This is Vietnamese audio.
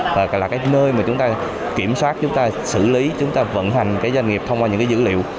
và là nơi mà chúng ta kiểm soát chúng ta xử lý chúng ta vận hành doanh nghiệp thông qua những dữ liệu